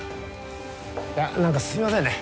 何かすいませんね